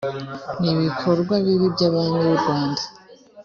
n ibikorwa bibi by abami b urwanda